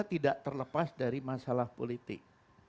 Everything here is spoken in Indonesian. terlepas dari masalah politik